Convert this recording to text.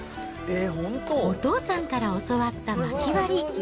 お父さんから教わったまき割り。